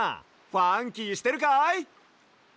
ファンキーしてるかい？